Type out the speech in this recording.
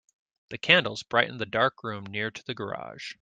The candles brightened the dark room near to the garage.